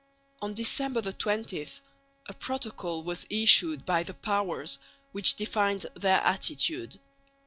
On December 20 a protocol was issued by the Powers which defined their attitude.